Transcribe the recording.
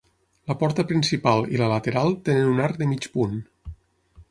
La porta principal i la lateral tenen un arc de mig punt.